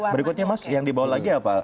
berikutnya mas yang dibawa lagi apa